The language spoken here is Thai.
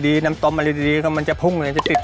ดีน้ำต้มมาดีมันจะพุ่งเลยจะติดเลย